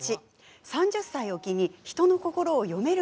３０歳を機に人の心を読める